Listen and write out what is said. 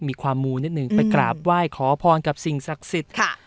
มีความมูนิดนึงไปกราบไหว้ขอพรกับสิ่งศักดิ์สิทธิ์ค่ะ